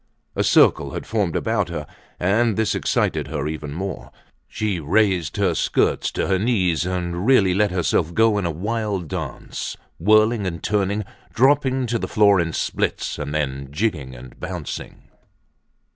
A circle had formed about her and this excited her even more. She raised her skirts to her knees and really let herself go in a wild dance, whirling and turning, dropping to the floor in splits, and then jigging and bouncing.